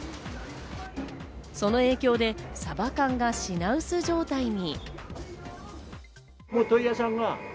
その影響でサバ缶が品薄状態に。